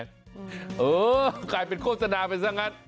เออกลายเป็นโฆษณาไปซะงั้น